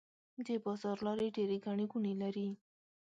د بازار لارې ډيرې ګڼې ګوڼې لري.